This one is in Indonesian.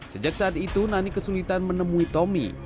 sejak saat itu nani kesulitan menemui tommy